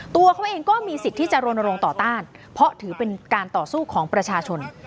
ตัวเขาเองก็มีสิทธิ์ที่จะรณรงค์ต่อต้านเพราะถือเป็นการต่อสู้ของประชาชน